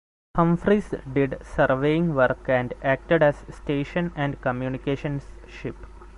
"Humphreys" did surveying work and acted as station and communications ship.